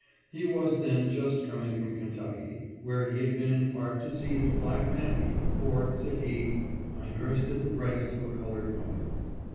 He was then just coming from Kentucky, where he had been in part to see his black mammy, for, said he, " I nursed at the breasts of a colored mother."